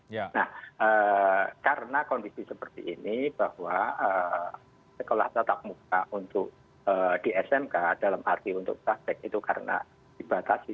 nah karena kondisi seperti ini bahwa sekolah tatap muka untuk di smk dalam arti untuk praktek itu karena dibatasi